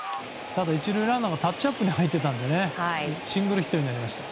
ただ、１塁ランナーがタッチアップに入ってたのでシングルヒットになりました。